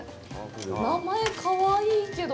名前かわいいけど。